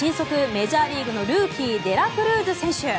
メジャーリーグのルーキーデラクルーズ選手。